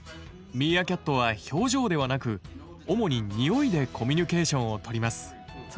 ミーアキャットは表情ではなく主に匂いでコミュニケーションをとります。